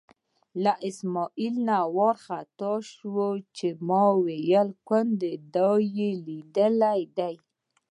له اسمعیل نه وار خطا شو چې ما ویل ګوندې دا دې لیدلی دی.